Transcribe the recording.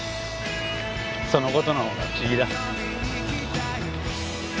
その事の方が不思議だ。